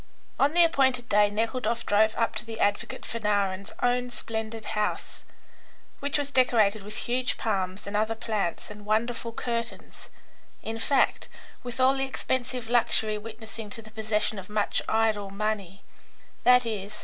On the appointed day Nekhludoff drove up to the advocate Fanarin's own splendid house, which was decorated with huge palms and other plants, and wonderful curtains, in fact, with all the expensive luxury witnessing to the possession of much idle money, i.e.